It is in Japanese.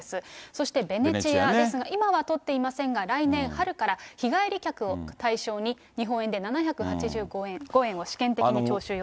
そしてベネチアですが、今は取っていませんが、来年春から、日帰り客を対象に、日本円で７８５円を試験的に徴収予定。